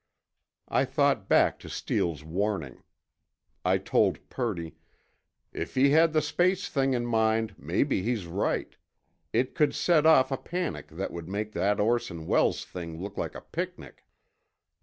I thought back to Steele's warning. I told Purdy: "If he had the space thing in mind, maybe he's right. It could set off a panic that would make that Orson Welles thing look like a picnic."